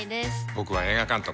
僕は映画監督。